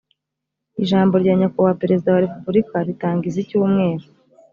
ijambo rya nyakubahwa perezida wa repubulika ritangiza icyumweru